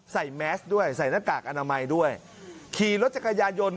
ใส่เมสด้วยใส่หน้ากากอนามัยด้วยขี่รถใช้กายรถยนต์